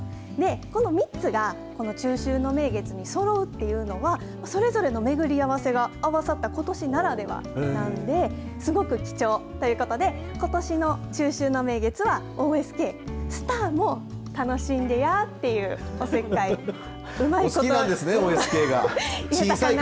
この３つが中秋の名月にそろうというのはそれぞれの巡り合わせが合わさったことしならではなんですごく貴重ということでことしの中秋の名月はＯＳＫスターも楽しんでやお好きなんですね、ＯＳＫが。